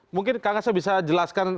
mungkin kang asep bisa jelaskan